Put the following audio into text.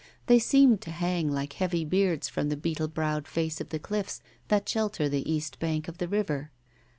They seemed to hang like hairy beards from the beetle browed face of the cliffs that shelter the east bank of the river.